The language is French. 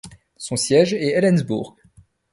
Son siège est Ellensburg.